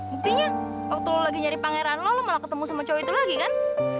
buktinya waktu lo lagi nyari pangeran lo lo malah ketemu sama cowok itu lagi kan